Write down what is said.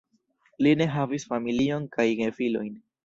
Li ne havis familion kaj gefilojn.